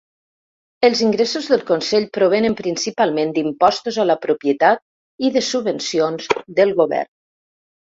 Els ingressos del consell provenen principalment d'impostos a la propietat i de subvencions del govern.